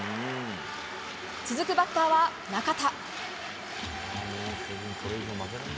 続くバッターは中田。